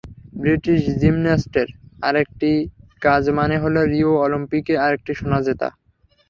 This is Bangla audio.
ব্রিটিশ জিমন্যাস্টের আরেকটি কাজ মানে হলো রিও অলিম্পিকে আরেকটি সোনা জেতা।